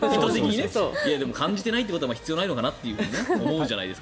でも感じてないってことは必要じゃないのかなって思うじゃないですか。